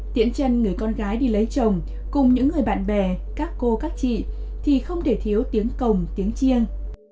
tiễn chân người con gái đi lấy chồng cùng những người bạn bè các cô các chị thì không để thiếu tiếng cồng tiếng chiêng